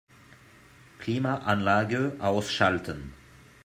Klimaanlage ausschalten.